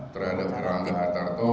terhadap herlana ratato